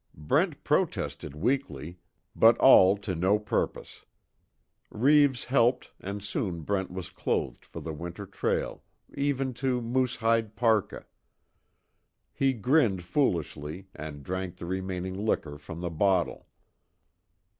Brent protested weakly, but all to no purpose. Reeves helped and soon Brent was clothed for the winter trail even to moose hide parka. He grinned foolishly, and drank the remaining liquor from the bottle.